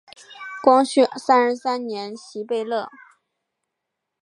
光绪三十三年袭贝勒。